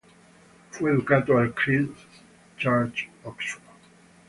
Fu educato al Christ Church, Oxford.